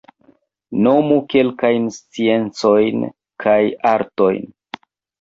Nomu kelkajn sciencojn kaj artojn.